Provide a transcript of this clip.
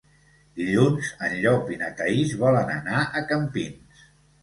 Dilluns en Llop i na Thaís volen anar a Campins.